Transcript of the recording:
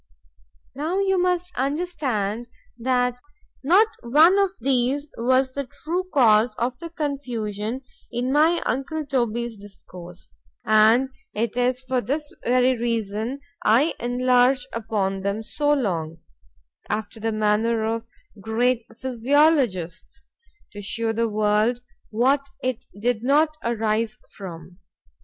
Now you must understand that not one of these was the true cause of the confusion in my uncle Toby's discourse; and it is for that very reason I enlarge upon them so long, after the manner of great physiologists—to shew the world, what it did not arise from.